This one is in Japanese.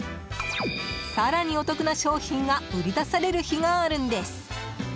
更にお得な商品が売り出される日があるんです。